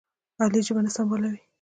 علي ژبه نه سنبالوي.